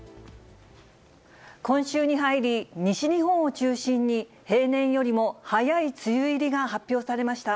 今週に入り、西日本を中心に、平年よりも早い梅雨入りが発表されました。